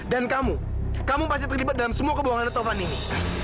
dan kamu kamu pasti terlibat dalam semua kebohongan taufan ini